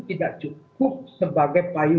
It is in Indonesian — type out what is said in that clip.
tidak cukup sebagai payu